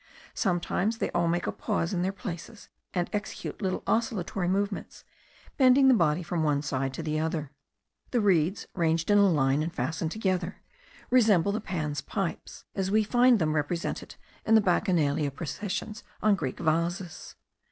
Sometimes they all make a pause in their places, and execute little oscillatory movements, bending the body from one side to the other. The reeds ranged in a line, and fastened together, resemble the Pan's pipes, as we find them represented in the bacchanalian processions on Grecian vases.